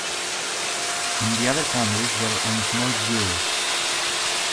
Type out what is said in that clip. In the others countries there are only small bureaus.